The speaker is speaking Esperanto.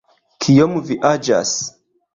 Kiom vi aĝas?